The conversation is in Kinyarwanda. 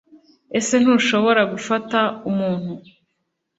Ese ntushobora gufata umuntu